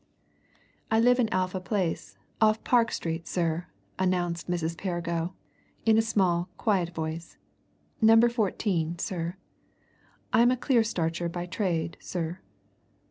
"I live in Alpha Place, off Park Street, sir," announced Mrs. Perrigo, in a small, quiet voice. "Number 14, sir. I'm a clear starcher by trade, sir."